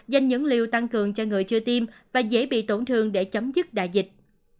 dành những liều tăng cường cho người chưa tiêm và dễ bị tổn thương để chấm dứt đại dịch